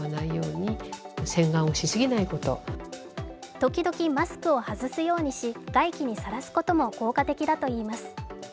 時々マスクを外すようにし、外気にさらすことも効果的だといいます。